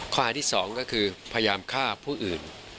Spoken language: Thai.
ข้อหาที่๒ก็คือพยายามฆ่าผู้อื่น